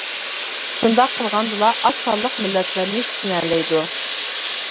شۇنداق قىلغاندىلا ئاز سانلىق مىللەتلەرنى چۈشىنەلەيدۇ.